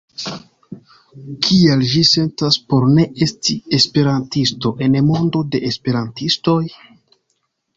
Kiel ĝi sentas por ne esti esperantisto en mondo de esperantistoj?